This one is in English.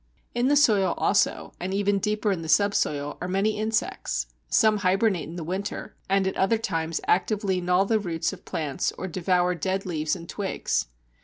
In the soil also and even deeper in the subsoil are many insects; some hibernate in the winter, and at other times actively gnaw the roots of plants or devour dead leaves and twigs (see Chapter xxiii.).